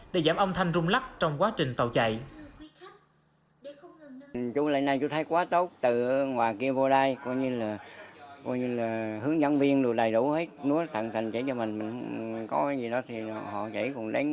để giảm âm thanh rung lắc trong quá trình tàu chạy